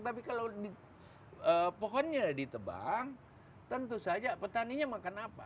tapi kalau pohonnya ditebang tentu saja petaninya makan apa